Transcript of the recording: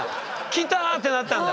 きた！ってなったんだ。